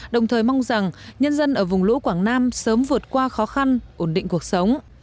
đồng thời mong rằng nhân dân ở vùng lũ quảng nam sớm vượt qua khó khăn ổn định cuộc sống